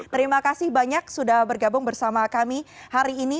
terima kasih banyak sudah bergabung bersama kami hari ini